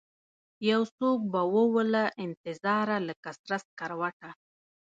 یوڅوک به ووله انتظاره لکه سره سکروټه